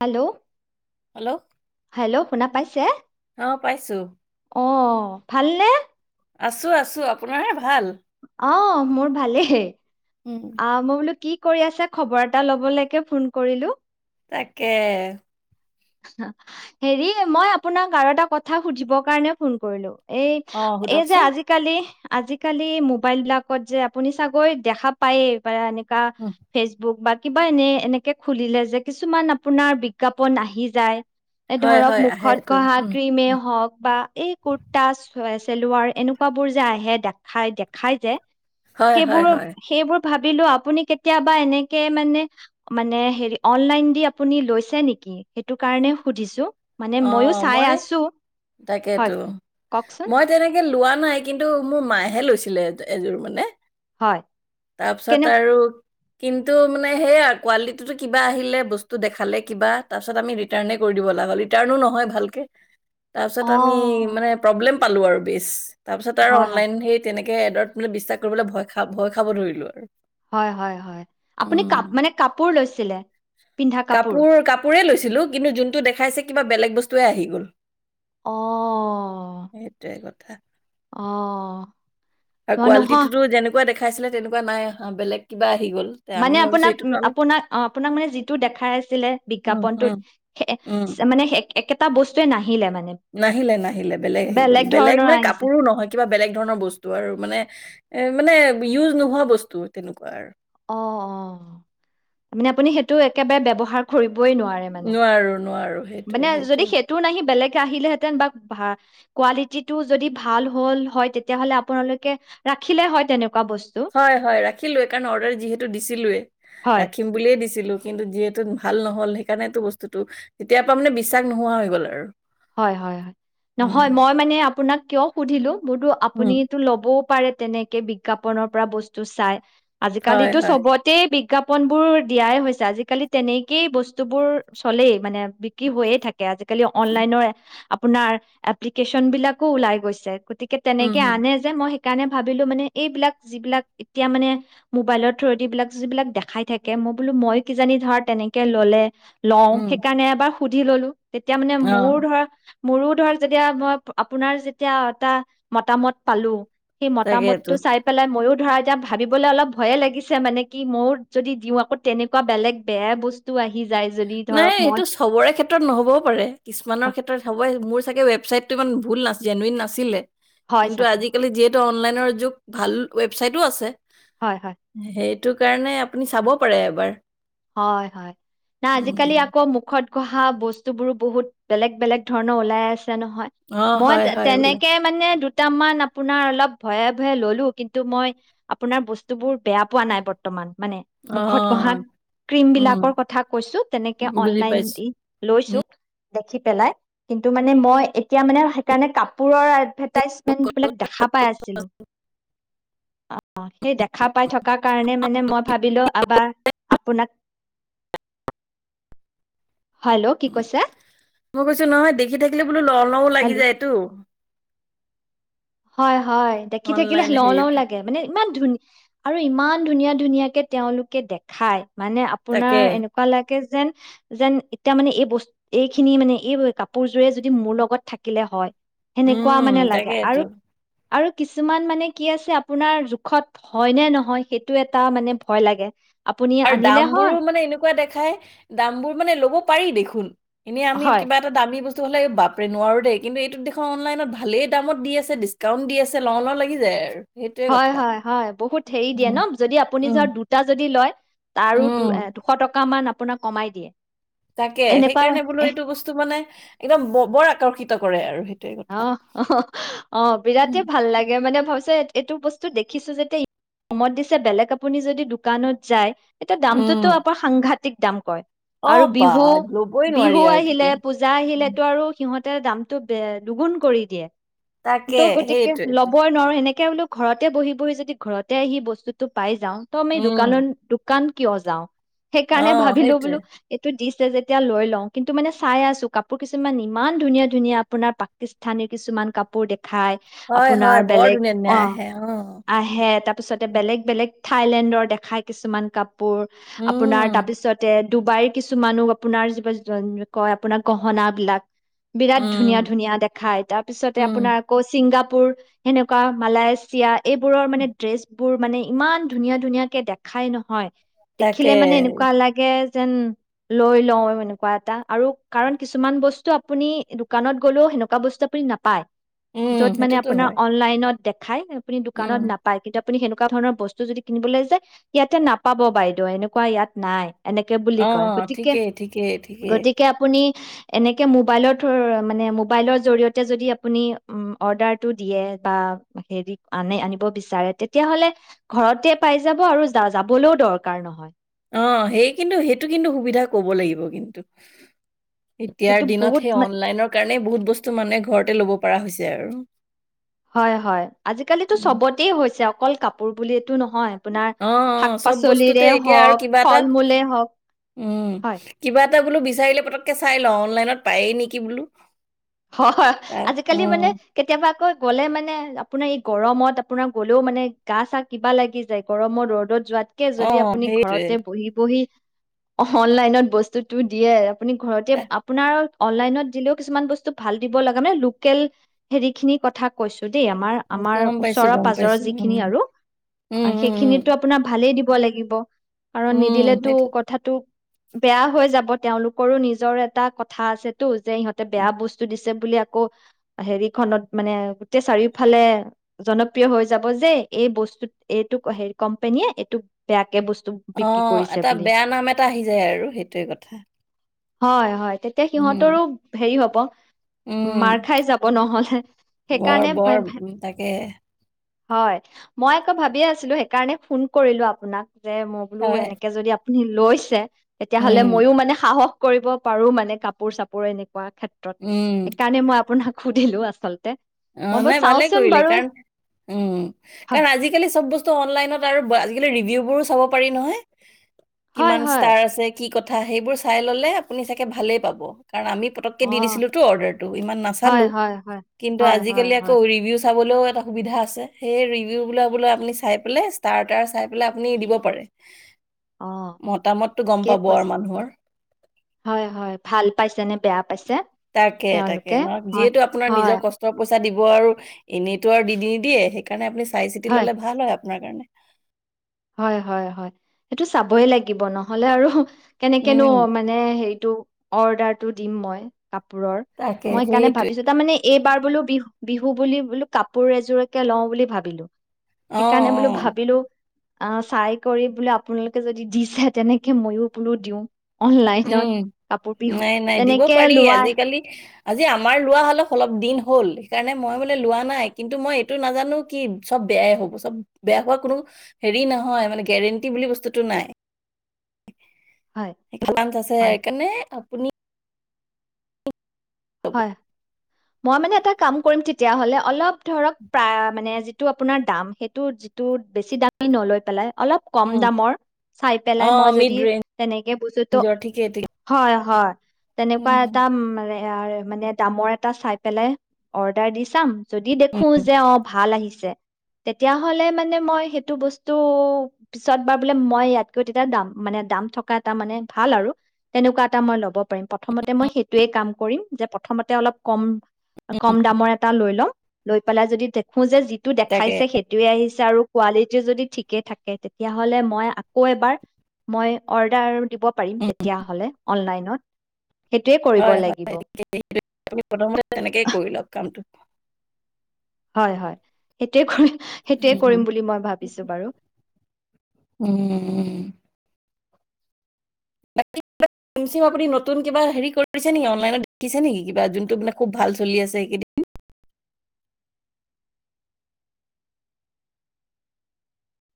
Hello hello hello শুনা পাইছে অ পাইছো অ অ' ভালনে আছো আছো আপোনাৰ অহ্ ', - মোৰ ভালে হ, উম অ মই বোলো কি কি কৰি আছে খবৰ এটা লবলৈকে ফোন কৰিলো তাকে হেৰি মই আপোনাক আৰু এটা কথা সুধিবৰ কাৰণে ফোন কৰিলো এই অ এই যে সোধকচোন আজিকালি আজিকালি মোবাইল বিলাকত যে আপুনি চাগৈ দেখা পায়েই বা এনে কা, উম, ফেচবুক বা, কিবা এনে এনেকে খুলিলে যে কিছুমান আপোনাৰ বিজ্ঞাপন আহি যায়। হয় ধৰক হয় মুখত আহেটো ঘহা উম ক্ৰিমে উম হওক বা এই কুৰ্তা, চেলোৱাৰ এনেকুৱ বোৰ যে আহে দেখাই দেখাই যে হয় হয় সেইবোৰ হয় - সেইবোৰ, ভাবিলো আপুনি কেতিয়াবা এনেকে মানে- -মানে, হেৰি অনলাইন দি আপুনি লৈছে নেকি? সেইটো কাৰণে সুধিছোঁ অ ', মই হয় তাকেতো, কওকচোন মই তেনেকে লোৱা, নাই কিন্তু মোৰ মায়েহে লৈছিলে, এযোৰ মানে। হয় তাৰপিছত কেনে আৰু কিন্তু মানে সেয়য়া কোৱালিটিো কিবা আহিলে বস্তু দেখালে কিবা তাৰপিছত আমি ৰিটাৰ্ণ কৰি দিব লাগ হ তাৰণো নহয় ভালকে। তাৰপিছত অ আমি মানে প্ৰব্লেম পালোঁ আৰু বেছ তাৰপিছত আৰু হয় হয় অনলাইন সেই তেনেকে, এডত মানে বিশ্বাস কৰিবলৈ ভয় খা ভয় খাব ধৰিলো আৰু হয় ', -হয় ', -হয় ', আপুনি কাপ, উম, মানে কাপোৰ লৈছিলে পিন্ধা - কাপোৰ, ছিলো, কিন্তু জুনটো দেখাইছে, কিবা বেলেগ বস্তুৱে আহি গ'ল অ সেইটোৱে কথ, [inaudible] অ আৰু অ নহয় কুৱালিটিটো যেনেকুৱা দেখা, খাইছিলে তেনেকুৱা নাই, বেলেগ কিবা, - মানে আপোনাক -আপোনাক অ ', আপোনাক মানে যিটো দেখাই আছিলে উম, বিজ্ঞাপনটোত উম, উম। মানে, একে, [unintelligible] নাহিলে নাহিলে, বেলেগ আহি গ'ল। বেলেগ ধৰণৰ মানে আহিছে কাপোৰো নহয় কিবা বেলেগ ধৰণৰ বস্তু আৰু মানে। এ মানে ইউজ নোহোৱা বস্তু, তেনেকুৱা আৰু। অহ, অহ। মানে আপুনি সেইটো একেবাৰে ব্যৱহাৰ কৰিব নোৱাৰোঁ নোৱাৰোঁ। সেইটোৱে মানে যদি সেইটোৱে। সেইটো নাহি বেলেগে আহিলেহেঁতেন বা কোৱালিটিটো যদি ভাল হ'ল হয় তেতিয়াহ'লে আপোনালোকে ৰাখিলে হয় তেনেকুৱ হয়, হয়, ৰাখিলোঁ কাৰণ অৰ্ডাৰ যিহেতু দিছিলোঁয়ে, হয়। ৰাখিম বুলি দিছিল ছিলো কিন্তু যিহেতু ভাল নহ'ল সেইকাৰণেতো বস্তুতটো তেতিয়াৰ পৰা মানে বিশ্বাস নোহোৱা হৈ গ'ল আৰু। হয়, হয়, হয়। নহয়, উম মই মানে আপোনাক কিয় সুধিলো বতো উম আপুনিতো ল'ব পাৰে তেনেকে বিজ্ঞাপনৰ পৰা বস্তু চাই। হয় আজিকালিতো হয় সবতে বিগ বিজ্ঞাপনবোৰ দিয়াই হৈছে, আজিকালি তেনেকেই বস্তুবোৰ চলেই মানে বিক্ৰী হৈয়ে থাকে আজিকালি অন অনলাইনৰে আপোনাৰ এপ্লিকেচন বিলাকতো ওলাই গৈছে গতিক উম তেনেকে হুম আনে যে, মই সেইকাৰণে ভাবিলো মানে এইবিলাক যিবিলাক এতিয়া মানে মোবাইলৰ থ্ৰ বিলাক যিবিলাক দেখাই থাকে মই বোলো মই কিজানি ধৰা তেনেকে ল'লে লওঁ উম সেইকাৰণে এবাৰ সুধি ল'লো তেতিয়া মানে অ মোৰ ধৰা মোৰো ধৰ যেতিয়া মই আপোনাৰ যেতিয়া এটা মতামত পালো। সেই তাকেইতো মতামতটো চাই পেলাই মইয়ো ধৰা এতিয়া ভাবিবলৈ অলপ ভয়ে লাগিছে মানে কি মই যদি দিওঁ আকৌ তেনেকুৱা বেলেগ বেয়া বস্তু আহি যায় যদি নাই ধৰক মই এইটো চবৰে ক্ষেত্ৰত নহ'বও পাৰে। কিছুমানৰ হয় ক্ষেত্ৰত হ'ব, মোৰ চাগে ৱেবছাইটটো ইমান ভুল না জেনুৱইন নাছিলে। হয় কিন্তু চাগে আজিকালি যিহেতু অনলাইনৰ যুগ ভাল ৱেবচাইতো আছে। হয় হয় সেই সেইটোকাৰণে আপুনি চাব পাৰে এবাৰ। হয়, হয়। না আজিকালি উম আকৌ মুখত। পঢ়া বস্তু বোৰো বহুত বেলেগ বেলেগ ধৰণৰ ওলাই আছে। নহয় অ মই হয় হয় বোলে তেনেকে মানে দু কেইটামান আপোনাৰ অলপ ভয়ে- ভয়ে ললো কিন্তু মই আপোনাৰ বস্তুবোৰ বেয়া পোৱা নাই বৰ্তমান। মানে, অ মুখত গহাত ক্ৰীম উম বিলাকৰ কথা, কৈছো, তেনেকে বুজি অনলাইন পাইছো দি লৈছো, উম দেখি পেলাই। কিন্তু, মানে মই এতিয়া মানে সেইকাৰণে কাপোৰৰে টাইজমেন্ বিলাক দেখা পাই আছিলো। অ' অ'সেই দেখা পাই থকা কাৰণে মানে মই ভাবিলো এবাৰ [unintelligible] কি উ কৈছে মই কৈছো নহয় দেখি থাকিলে বোলো ল লও হেল্ল' লাগি যায়টো হয় হয়। দেখি থাকিলে, অনলাইন লওঁ হেৰি লওঁ লাগে। মানে, ইমান ধুন আৰু ইমান ধুনীয়া ধুনীয়াকে তেওঁলোকে দেখায়। মানে তাকে আপোনাৰ এনেকুৱা লাগে যেন যেন এতিয়া মানে এই বস্তু এইখিনি মানে এই কাপোৰযোৰে যদি মোৰ লগত থাকিলে হয় সেনেকুৱা উম মানে লাগে তাকেটো আৰু আৰু কিছুমান মানে, কি আছে আপোনাৰ জোখত হয় নে নহয় সেইটো, এটা মানে ভয় লাগে। আপুনি আৰু আনিলে দাম হয়, বোৰো মানে এনেকুৱা দেখাই দাম বোৰ মানে ল'ব পাৰি দেখোন কোন? এনে আমি, হয়, কিবা এটা দামী বস্তু টো হ'লে, বাপৰে নোৱাৰো দেই। কিন্তু, এইটো দেখোন অনলাইনত ভালেই দামত দি আছে, ডিছকাউণ্ট দি আছে, লওঁ লওঁ লাগি যায় আৰু সেইটোৱে হয়- কথা হয় -হয়। বহুত হেৰি দিয়ে উম ন যদি আপুনি ধৰ উম দুটা যদি লয় তাৰো দু এ উম দুশ টকা [unintelligible] মান আপোনাক কমাই দিয়ে। তাকে সেইকাৰণে এনেকুৱা বোলো এইটো বস্তু মানে একদম ব-বৰ আকৰ্ষিত কৰে আৰু সেই অঁ! অঁ! অঁ! উম বিৰাটেই ভাল লাগে। মানে হৈছে, এইটো বস্তু দেখিছো যেতিয়া, ই কমত দিছে, বেলেগ আপুনি যদি দোকানত যায়। এতিয়া দামটোতো উম আপাৰ সাংঘাতিক- থিক দাম কয়। অ আৰু বা বিহু। ল'বই বিহু নোৱাৰি আৰু আহিলে তেতিয়া পূজা উম, আহিলেতো আৰু সিহঁত তাৰ দামটো বেয়া। দুগুণ কৰি দিয়ে তাকে তো গতিকে, সেইটোৱেটো ল'বই নোৱাৰো সেনেকে বোলো ঘৰতে বহি বহি যদি ঘৰতে আহি বস্তুটো পাই যাওঁ ত আমি উম, দোকানৰ দোকান কিয় যাওঁ অ সেইকাৰণে ভাবিলো সেইটোৱে বোলো এইটো দিচ যেতিয়া লৈ লওঁ কিন্তু মানে চাই আছো কাপোৰ কিছুমান ইমান ধুনীয়া ধুনীয়া আপোনাৰ স্থানীৰ কিছুমান কাপোৰ দেখ খাই হয় আপোনাৰ হয় বৰ বেলেগ ধুনীয়া ধুনীয়া অ আহে অ আহে তাৰপিছতে বেলেগ বেলেগ থাইলেণ্ডৰ দেখাই কিছুমান কাপ পোৰ আপোনাৰ উম তাৰপিছতে ডুবাইৰ কিছু মানুহ আপোনাৰ যিবা কয় আপোনাৰ গহনা বিলাক বিৰাট ধুনীয়া উম ধুনীয়া দে খাই তাৰপিছতে উম আপোনাৰ কৌচিত ছিংগাপুৰ সেনেকুৱা মালয়েছিয়া এইবোৰৰ উম, মানে ড্ৰেছ বোৰ মানে ইমান ধুনীয়া ধুনীয়াকে দেখাই নহয় তাকে দেখিলে মানে এনেকুৱা লাগে যেন লৈ লও এনেকুৱা এটা। আৰু কাৰণ কিছুমান বস্তু আপুনি দোকানত গলেও হেনো বস্তু আপুনি নাপায় উম য'ত মানে সেইটোতো আপোনাৰ হয় অনলাইনত দেখ খাই ন আপুনি উম দোকানত নাপায় কিন্তু আপুনি সেনেকুৱা ধৰণৰ বস্তু যদি কিনিবলৈ যায় ইয়াতে নাপাব বাইদেউ এনেকুৱা ইয়াত নাই এনেকে বুলি অ কয় গতিকে। ঠিকেই ঠিকেই ঠিকেই গতিকে আপুনি এনেকে মোবাইলৰ থ মানে মোবাইলৰ জৰিয়তে যদি আপুনি অৰ্ডাৰটো দিয়ে বা হে আনে আনিব বিচাৰে তেতিয়াহলে ঘৰতে পাই যাব আৰু যাবলৈও দৰকাৰ নহ অ সেই কিন্তু সেইটো কিন্তু সুবিধা কব লাগিব কিন্তু এতিয়াৰ সেইটো দিনত বহুত সেই মা- অনলাইনৰ কাৰণে বহুত বস্তু মানে ঘৰতে ল'ব পৰা হৈছে আৰু হয় হয় আজিকালিিতো উম, চবতে হৈছে অকল কাপোৰ পুলি টো নহয় আপোনাৰ অ শাক অ চব বস্তুতে পাচলিৰে এতিয়া আৰু হওক কিবা এটা ফল মূলে হওক। উম, হয় কিবা বোলো বিচাৰিলে পতককে চাই লওঁ অনলাইনত পায়েই নেকি বোলো হয় তাৰ আজিকালি উম, মানে কেতিয়াবা আকৌ গ'লে মানে আপোনাৰ এই গৰমত আপোনাৰ গ'লেও মানে গা চা কিবা লাগি যায় গৰমত ৰ'দত যোৱাত তাতকে যদি অ', আপুনি সেইটোৱে। ঘৰতে বহি বহি অনলাইনত বস্তুতটোো দিয়ে আপুনি ঘৰতে তা- আপোনাৰ অনলাইনত দিলেও কিছুমান বস্তু ভাল দিব লগা মে লোকেল হেৰি খিনি কথা কৈছো দেই আমাৰ আমাৰ গম ওচ পাইছোঁ, গম পৰ পাইছোঁ। উম, যিখিনি আৰু উম, উম, উম, সেইখিনিতো আপোনাৰ ভাল দিব ক'ব লাগিব। কাৰণ উম, নিদিলেতো সেইটোতো। কথাটো বেয়া হৈ যাব তেওঁলোকৰো নিজৰ এটা কথা আছেতো যে সহতে বে বস্তু দিছে বুলি আকৌ, হেৰি খনত মানে, গোটেই চাৰিওফালে জনপ্ৰিয় হৈ যাব, যে, এই বস্তু এইটো কোম্পনীয়ে এইটো বেয়াকে বস্তু বিক্ৰী অ' কৰিছে এটা বুলি বেয়া নাম এটা আহি যায় আৰু সেইটোৱে কথা। হয় হয় তেতিয়া, উম, সিহঁতৰো হেৰি হ' প উম, মাৰ খাই যাব নহলে, বৰ সেইকাৰণে বৰ উম, তাকে হয় মই আকৌ ভাবিয়ে আছিলো সেইকাৰণে ফোন কৰিলো আপোনাক যে মই বোলো হয়। এনেকে যদি আপুনি লৈছে তেতিয়াহ'লে উম, মইো মানে সাহস কৰিব পাৰো মানে কাপোৰ চাপোৰ এনেকে পোৱা ক্ষেত্ৰত উম, সেইকাৰণে, মই আপোনাক সুধিলো আচলতে মই অ' বাৰু নাই ভালে চাওচোন কৰিলে। বাৰু কাৰণ, উম! হয়। কাৰণ আজিকালি চব বস্তু পাৰি নহ হয় কিমান হয় ষ্টাৰ আছে কি কথা, সেইবোৰ চাই ললে আপুনি চাগে ভালেই পাব। কাৰণ আমি পতককে অ দি দিছিলোতো অৰ্ডাৰটো ইমান নাচালো হয় হয় হয় কিন্তু, হয় হয় আজিকালি আকৌ হয় ৰিভিউ এটা সুবিধা আছে [unintelligible] ৰ আপনি দিব পাৰে অ' মতামতটো গম ঠিকে পাব আৰু কৈছে মানুহৰ হয়! হয়! ভাল পাইছে নে বেয়া পাইছে। তাকে, তাকে তেওঁলোকে ন! হয় যিহেতু, আপোনাৰ হয় নিজৰ কষ্টৰ পই চা দিব আৰু এনেইতটো আৰু দি নি দিয়ে সেইকাৰণে আ চাই চি ল'লে ভাল হয় আ আপোনাৰ কাৰণে হয় হয় হয় সেইটো চাবই লাগিব নহলে আৰু কেনেকেনো উম মানে হেৰিটো অৰ্ডাৰ টো দিম মই কাপোৰৰ তাকে মই সেইকাৰণে সেইটোৱে ভাবিছো তাৰমানে এইবাৰ বোলো বিহু বিহু বুলি বোলো কাপোৰ এযোৰকে লও বুলি ভাবিলো অ সেইকাৰণে বোলো অ ভাবিলো অ চাই কৰি বোলে আপোনালোকে যদি দিছে তেনেকে মইো বোলো দিওঁ উম অনলাইনত কাপোৰ পিহো নাই নাই দিব তেনেকে পাৰি লোৱা আজিকালি আজি আমাৰ লোৱা হলে অলপ দিন হ'ল সেইকাৰণে মই মানে লোৱা নাই কিন্তু মই এইটো নাজানো কি চব বেয়াই হব চব বেয়া হোৱা কোনো হেৰি নহয় মানে গেৰেণ্টি বুলি বস্তুটো নাই হয়, স আছে হয়, সেইকাৰণে আপুনি হয় মই মানে এটা কাম কৰিম তেতিয়া হলে অলপ ধৰক প্ৰায় মানে যিটো আপোনাৰ দাম সেইটো যিটো বেছি দাম নলৈ পেলাই অলপ কম উম দামৰ চাই অ পেলাই মই মিড যদি তেনেকে বুজ্তো ৰেঞ্জৰ ঠিকেই ঠিকে হয় হয় তেনে প উম, ত মে য়াৰ মানে দামৰ এটা চাই পেলাই অৰ্ডাৰ দি চাম যদি উম, দেখো যে অ ভাল আহিছে তেতিয়া হলে মানে মই সেইটো বস্তু পিছত বাৰ বোলে মই ইয়াতকৈ তেতিয়া মানে দাম থকা এটা মানে ভাল আৰু তেনেকুৱা এটা মই লব পাৰিম প্ৰথমতে মই সেইটোয়ে কাম কৰিম যে প্ৰথমতে অলপ কম উম, কম দামৰ এটা লৈ ল'ম লৈ পেলাই যদি সো যে যিটো তাকে দেখাইছে সেইটোয়ে আহিছে আৰু কালিটি যদি ঠিকে থাকে তেতিয়াহলে মই আকৌ এবাৰ মই অৰ্ডাৰ দিব পাৰিম উম, তেতিয় হ'লে অনলাইন ন সেইটোৱে কৰিব লাগিব সেইটোৱেই আমি প্ৰথমতে তেনেকে কৰি লওক কাম হয় হয় সেইটোয়ে কৰি সেইটোৱে কৰিম উম, বুলি মই উম, ভাবিছো বাৰু উম। বাকী কিবা ক্ৰীম ছিম আপুনি নতুন কিবা হেৰি কৰিছে নেকি অনলাইন ত শিকিছে নেকি যি টো মানে খুব ভাল চলি আছে এইকেইদিন